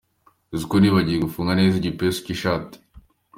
Uziko nibagiwe gufunda neza igipesu cy’ ishati.